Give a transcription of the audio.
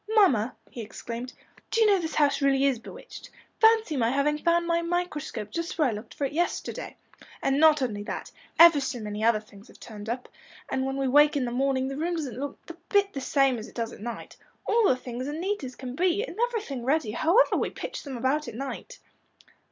"Mamma," he exclaimed, "do you know this house really is bewitched? Fancy my having found my microscope just where I looked for it yesterday. And not only that, ever so many other things have turned up. And when we wake in the morning the room doesn't look a bit the same as it does at night. All our things are as neat as can be, and everything ready, however we pitch them about at night."